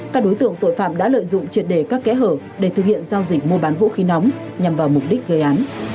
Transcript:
các đối tượng tội phạm đã lợi dụng triệt đề các kẽ hở để thực hiện giao dịch mua bán vũ khí nóng nhằm vào mục đích gây án